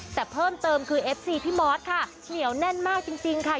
แต่เพิ่มเติมคือเอฟซีพี่มอสค่ะเหนียวแน่นมากจริงค่ะ